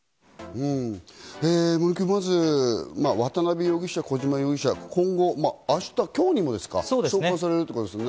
森君、まず渡辺容疑者と小島容疑者、今後、明日、今日にもですか、送還されるということです